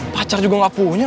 pacar juga gak punya